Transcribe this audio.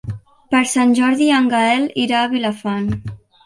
Per Sant Jordi en Gaël irà a Vilafant.